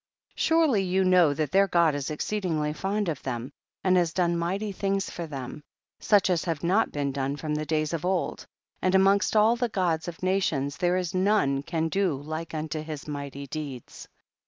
5. Surely you know that their God is exceedingly fond of them, and has done mighty things for them, such as have iiot been done from days of old, and amongst all the gods of nations, there is none can do like unto his mighty deeds.